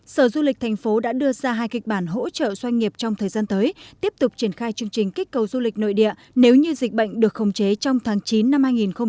sở du lịch thành phố đã đưa ra hai kịch bản hỗ trợ doanh nghiệp trong thời gian tới tiếp tục triển khai chương trình kích cầu du lịch nội địa nếu như dịch bệnh được khống chế trong tháng chín năm hai nghìn hai mươi